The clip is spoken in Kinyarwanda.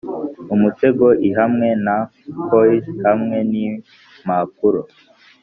umutego i hamwe na coil hamwe nimpapuro,